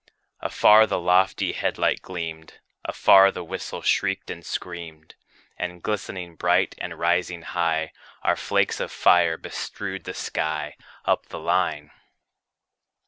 Afar the lofty head light gleamed; Afar the whistle shrieked and screamed; And glistening bright, and rising high, Our flakes of fire bestrewed the sky, Up the line.